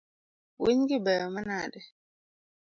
Winygi beyo manade?